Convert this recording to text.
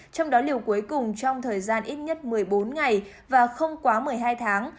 trong đó liều cuối cùng trong thời gian ít nhất một mươi bốn ngày và không quá một mươi hai tháng